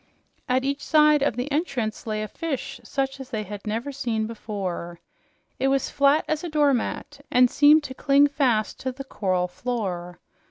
At each side of the entrance lay a fish such as they had never seen before. It was flat as a doormat and seemed to cling fast to the coral floor.